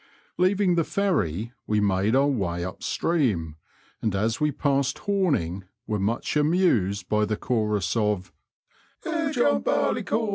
67 Leaving the ferry, we made our way up stream, and as we passed Homing were much amused hj the chorus of — "Ho I John Barleycorn.